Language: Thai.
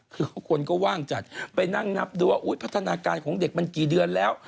คือคนก็ว่างจัดไปนั่งนับดูว่าพัฒนาการของเด็กมันกี่เดือนแล้ว